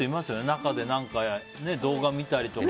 中で動画見たりとか。